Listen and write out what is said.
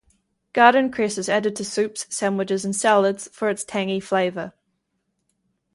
Garden cress is added to soups, sandwiches and salads for its tangy flavor.